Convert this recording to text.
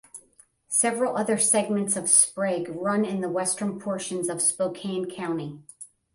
Several other segments of Sprague run in the western portions of Spokane County.